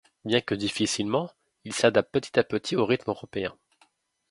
Bien que difficilement, il s'adapte petit à petit au rythme européen.